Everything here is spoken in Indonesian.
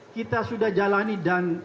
kita sudah jalani dan